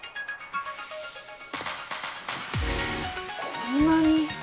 こんなに。